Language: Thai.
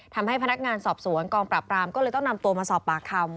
ทำให้พนักงานสอบสวนกองปราบปรามก็เลยต้องนำตัวมาสอบปากคำ